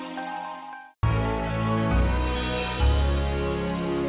masih lama kagak pak